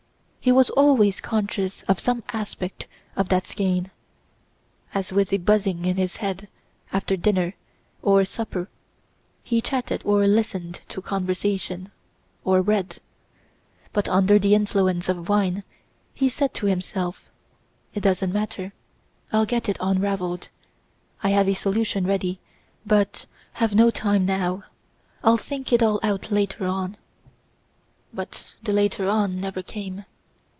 He was always conscious of some aspect of that skein, as with a buzzing in his head after dinner or supper he chatted or listened to conversation or read. But under the influence of wine he said to himself: "It doesn't matter. I'll get it unraveled. I have a solution ready, but have no time now—I'll think it all out later on!" But the later on never came.